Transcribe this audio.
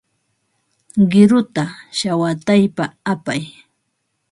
Qiruta shawataypa apay.